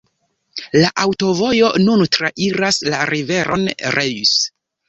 La aŭtovojo nun trairas la riveron Reuss.